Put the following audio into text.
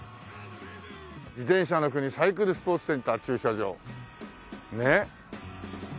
「自転車の国サイクルスポーツセンター駐車場」ねっ。